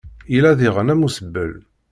Yella diɣen umusebbel.